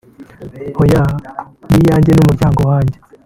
hoya… ni iyanjye n’umuryango wanjye